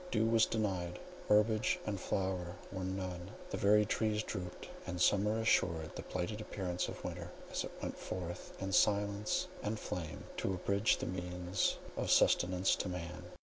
Dew was denied; herbage and flowers there were none; the very trees drooped; and summer assumed the blighted appearance of winter, as it went forth in silence and flame to abridge the means of sustenance to man.